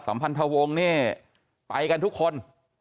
พันธวงศ์นี่ไปกันทุกคน